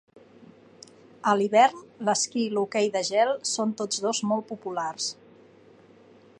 A l'hivern, l'esquí i l'hoquei de gel són tots dos molt populars.